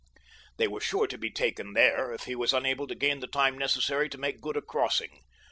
They were sure to be taken there if he was unable to gain the time necessary to make good a crossing.